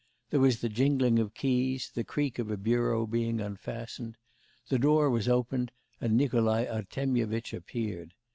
There was the jingling of keys, the creak of a bureau being unfastened.... The door was opened, and Nikolai Artemyevitch appeared.